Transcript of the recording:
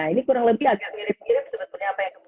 ini kurang lebih agak mirip mirip